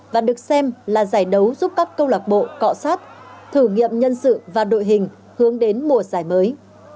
và được xem là giải đấu giúp các câu lạc bộ cọ sát thử nghiệm nhân sự và đội hình hướng đến mùa giải mới